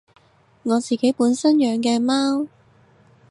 我自己本身養嘅貓